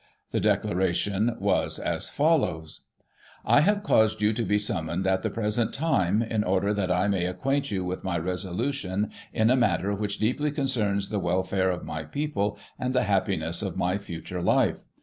The declaration was as follows :" I have caused you to be summoned at the present time, in order that I may acquaint you with my resolution in a matter which deeply concerns the welfare of my people, and the happiness of my future life.